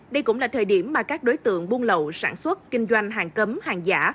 đây cũng là thời điểm mà các đối tượng buôn lậu sản xuất kinh doanh hàng cấm hàng giả